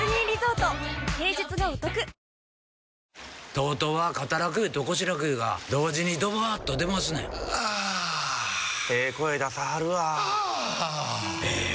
ＴＯＴＯは肩楽湯と腰楽湯が同時にドバーッと出ますねんあええ声出さはるわあええ